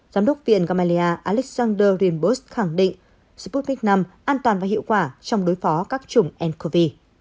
giám đốc viện gamalea alexander rimbos khẳng định sputnik v an toàn và hiệu quả trong đối phó các trùng ncov